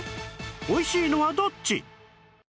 おいしいのはどっち？